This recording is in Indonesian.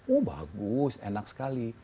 oh bagus enak sekali